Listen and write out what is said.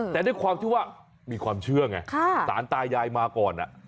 แต่ด้วยความที่ว่ามีความเชื่อไงสารตายายมาก่อน